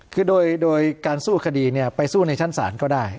คือโดยการสู้คดีไปสู้ในชั้นศาลก็ได้